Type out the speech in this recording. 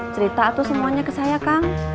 cerita atau semuanya ke saya kang